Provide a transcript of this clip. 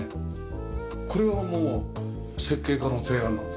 これはもう設計家の提案なの？